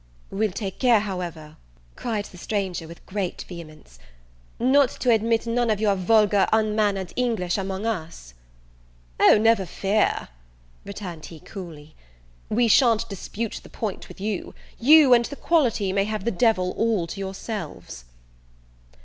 "We'll take care, however," cried the stranger with great vehemence, "not to admit none of your vulgar unmannered English among us." "O never fear," returned he, coolly, "we shan't dispute the point with you; you and the quality may have the devil all to yourselves."